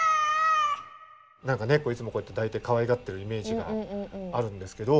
何か猫いつもこうやって抱いてかわいがってるイメージがあるんですけど。